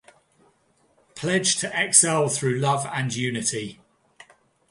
Pledge to excel through love and unity.